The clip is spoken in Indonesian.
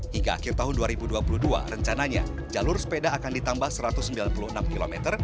hingga akhir tahun dua ribu dua puluh dua rencananya jalur sepeda akan ditambah satu ratus sembilan puluh enam km